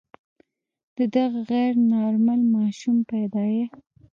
د دغه غیر نارمل ماشوم پیدایښت.